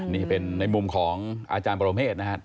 นี่เป็นในมุมของอาจารย์ปรเมฆนะครับ